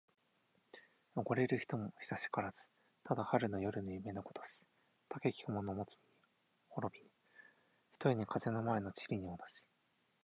おごれる人も久しからず。ただ春の夜の夢のごとし。たけき者もついには滅びぬ、ひとえに風の前の塵に同じ。